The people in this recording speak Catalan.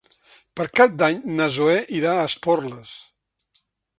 Per Cap d'Any na Zoè irà a Esporles.